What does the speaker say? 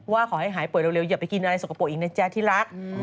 ว่าขอให้หายป่วยเร็วอย่าไปกินอะไรสกปรกอีกนะแจ๊ที่รัก